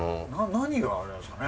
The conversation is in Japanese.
何があれなんですかね？